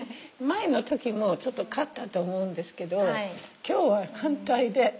前の時もちょっと買ったと思うんですけど今日は反対で。